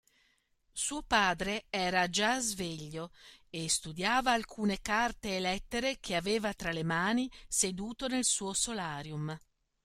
Suo padre era già sveglio, e studiava alcune carte e lettere che aveva tra le mani seduto nel suo solarium.